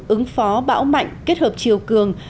ứng phó bão mạnh kết hợp chiều cường